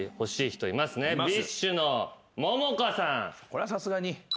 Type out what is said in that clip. これはさすがに。